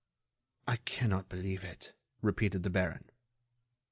"I cannot believe it," repeated the baron.